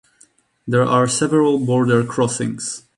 There are several border crossings.